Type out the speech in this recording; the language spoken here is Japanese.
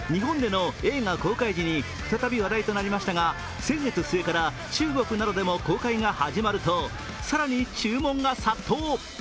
日本での映画公開時に再び話題どてりましたが、先月末から中国などでの公開が始まると更に注文が殺到。